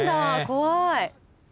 怖い。